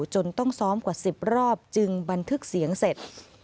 จนต้องซ้อมกว่า๑๐รอบจึงบันทึกเสียงเสร็จ